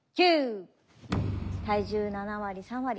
９。体重７割３割。